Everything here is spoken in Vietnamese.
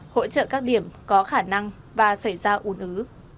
hỗ trợ các điểm có khả năng và xảy ra ủn ứ